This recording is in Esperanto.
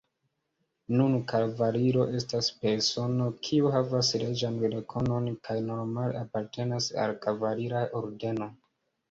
Nun kavaliro estas persono, kiu havas reĝan rekonon kaj normale apartenas al kavalira ordeno.